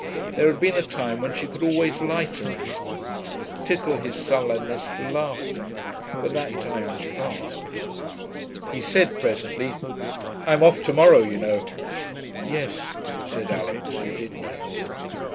There had been a time when she could always lighten these moods, tickle his sullenness to laughter; but that time was past. He said presently, 'I'm off to morrow, you know.' 'Yes,' said Alix, who did know.